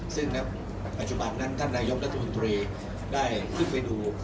ซึ่งณปัจจุบันนั้นท่านนายกรัฐมนตรีได้ขึ้นไปดู